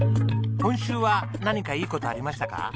今週は何かいい事ありましたか？